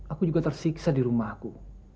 aku juga tersiksa di rumahku